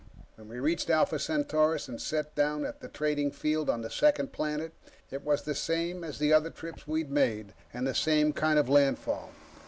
When we reached Alpha Centaurus, and set down at the trading field on the second planet, it was the same as the other trips we'd made, and the same kind of landfall.